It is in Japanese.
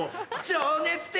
情熱的！